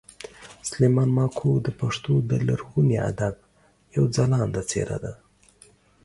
سلیمان ماکو د پښتو د لرغوني ادب یوه خلانده څېره ده